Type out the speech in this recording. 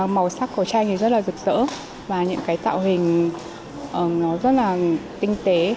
màu sắc của tranh rất là rực rỡ và những tạo hình rất là tinh tế